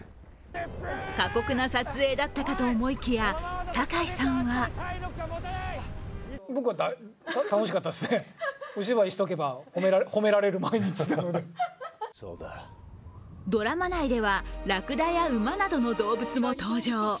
過酷な撮影だったかと思いきや、堺さんはドラマ内ではらくだや馬などの動物も登場。